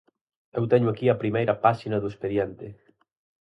Eu teño aquí a primeira páxina do expediente.